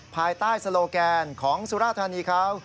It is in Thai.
ภายใต้โลแกนของสุราธานีเขา